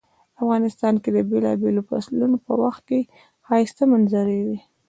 افغانستان کې د بیلابیلو فصلونو په وخت کې ښایسته منظرۍ وی